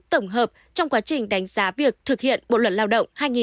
tổng hợp trong quá trình đánh giá việc thực hiện bộ luật lao động hai nghìn một mươi năm